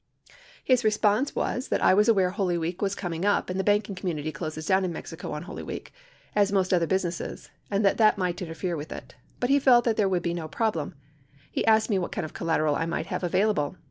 His response was that was I aware Holy Week was coming up and the banking community closes down in Mexico on Holy Week, as most other businesses, and that that might interfere with it. But he felt that there would be no problem. He asked me what kind of collateral I might have available.